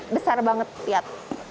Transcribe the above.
besar banget lihat